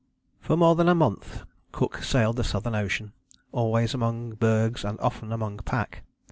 " For more than a month Cook sailed the Southern Ocean, always among bergs and often among pack.